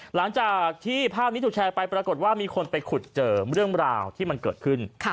หลังจากที่ภาพนี้ถูกแชร์ไปปรากฏว่ามีคนไปขุดเจอเรื่องราวที่มันเกิดขึ้น